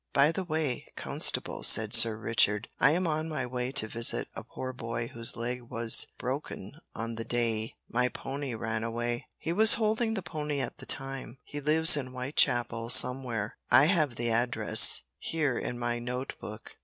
"By the way, constable," said Sir Richard, "I am on my way to visit a poor boy whose leg was broken on the day my pony ran away. He was holding the pony at the time. He lives in Whitechapel somewhere. I have the address here in my note book."